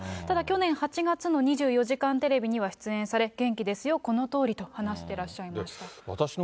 ただ去年８月の２４時間テレビには出演され、元気ですよ、このとおりと話してらっしゃいました。